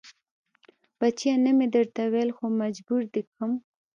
بچيه نه مې درته ويل خو مجبور دې کم.